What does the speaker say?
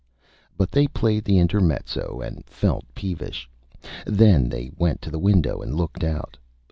But they played the Intermezzo and felt Peevish. Then they went to the Window and looked out.